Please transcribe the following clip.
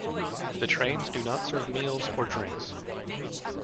The trains do not serve meals or drinks.